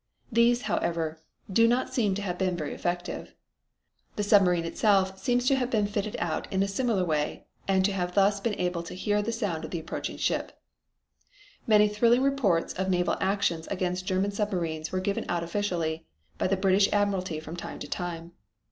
These, however, do not seem to have been very effective. The submarine itself seems at times to have been fitted out in a similar way and to have thus been able to hear the sound of an approaching ship. Many thrilling reports of naval actions against German submarines were given out officially by the British admiralty from time to time.